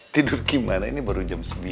tidur gimana ini baru jam sembilan